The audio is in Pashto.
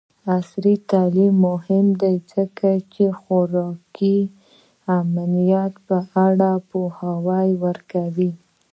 عصري تعلیم مهم دی ځکه چې د خوراکي امنیت په اړه پوهاوی ورکوي.